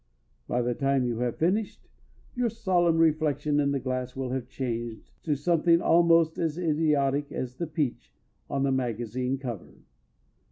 _ By the time you have finished, your solemn reflection in the glass will have changed to something almost as idiotic as the "peach" on the magazine cover.